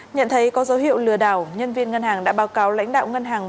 nhận thấy có dấu hiệu lừa đảo nhân viên ngân hàng đã báo cáo lãnh đạo ngân hàng